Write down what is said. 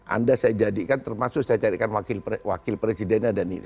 anda saya jadikan termasuk saya carikan wakil presidennya dan ini